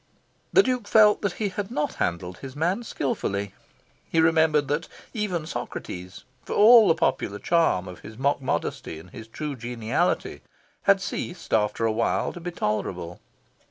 The Duke felt that he had not handled his man skilfully. He remembered that even Socrates, for all the popular charm of his mock modesty and his true geniality, had ceased after a while to be tolerable.